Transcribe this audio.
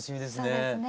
そうですね。